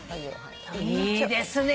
いいですね。